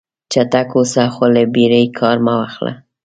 چټک اوسه خو له بیړې کار مه اخله.